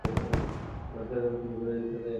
Lord কার্জনকে ভেতরে যেতে দেয়নি।